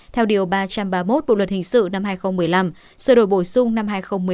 theo điều ba trăm ba mươi một bộ luật hình sự năm hai nghìn một mươi năm sửa đổi bổ sung năm hai nghìn một mươi năm